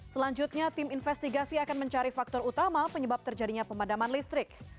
selanjutnya tim investigasi akan mencari faktor utama penyebab terjadinya pemadaman listrik